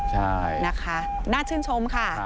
ใช่นะคะน่าชื่นชมค่ะ